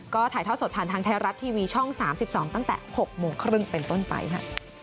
ก็ถ่ายทอดสดผ่านทางไทยรัฐทีวีช่อง๓๒ตั้งแต่๖โมงครึ่งเป็นต้นไปค่ะ